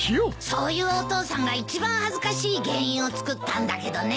そういうお父さんが一番恥ずかしい原因を作ったんだけどね。